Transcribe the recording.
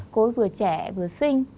cô ấy vừa trẻ vừa xinh